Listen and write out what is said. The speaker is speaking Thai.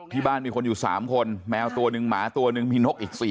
ที่บ้านมีคนอยู่๓คนแมวตัวนึงหมาตัวนึงมีนกอีก๔๕ตัว